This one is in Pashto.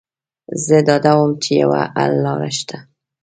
زه ډاډه وم چې يوه حللاره شته.